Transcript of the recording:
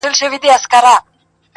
آثر د خپل یوه نظر وګوره ،